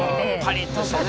パリッとしてね。